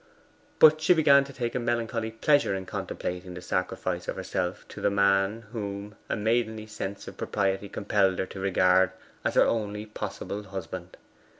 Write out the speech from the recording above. But she began to take a melancholy pleasure in contemplating the sacrifice of herself to the man whom a maidenly sense of propriety compelled her to regard as her only possible husband.